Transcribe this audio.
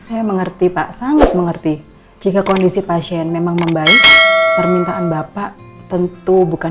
saya mengerti pak sangat mengerti jika kondisi pasien memang membaik permintaan bapak tentu bukan